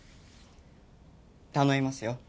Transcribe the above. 頼みますよ